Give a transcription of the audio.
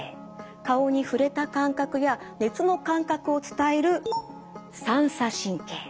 顔に触れた感覚や熱の感覚を伝える「三叉神経」。